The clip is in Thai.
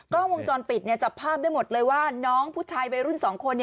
กล้องวงจรปิดจับภาพได้หมดเลยว่าน้องผู้ชายวัยรุ่น๒คน